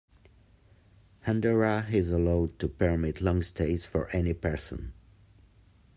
Andorra is allowed to permit long stays for any person.